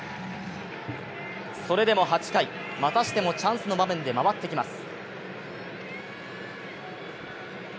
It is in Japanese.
それでも８回、またしてもチャンスの場面で回ってきます。